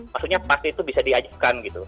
maksudnya pasti itu bisa diajukan gitu